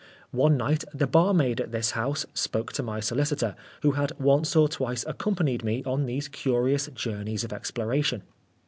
One night the barmaid at this house spoke to my solicitor, who had once or twice accompanied me on these curious journeys of exploration.